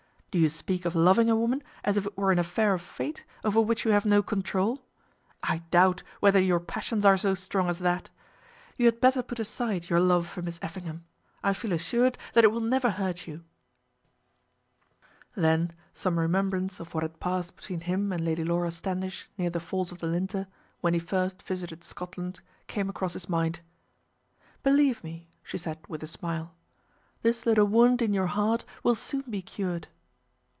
Do you speak of loving a woman as if it were an affair of fate, over which you have no control? I doubt whether your passions are so strong as that. You had better put aside your love for Miss Effingham. I feel assured that it will never hurt you." Then some remembrance of what had passed between him and Lady Laura Standish near the falls of the Linter, when he first visited Scotland, came across his mind. "Believe me," she said with a smile, "this little wound in your heart will soon be cured."